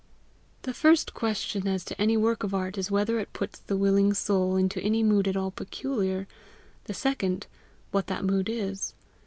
The first question as to any work of art is whether it puts the willing soul into any mood at all peculiar; the second, what that mood is.